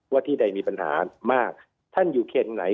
ที่ใดมีปัญหามากท่านอยู่เขตไหน